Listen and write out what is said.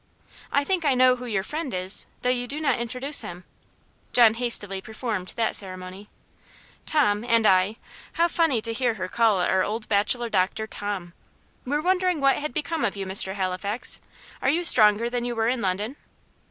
"I think I know who your friend is, though you do not introduce him." (John hastily performed that ceremony.) "Tom, and I" (how funny to hear her call our old bachelor doctor, "Tom!") "were wondering what had become of you, Mr. Halifax. Are you stronger than you were in London?"